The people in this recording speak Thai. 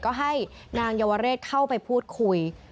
ก็ให้นางเยาวเรศเข้าไปพูดคุย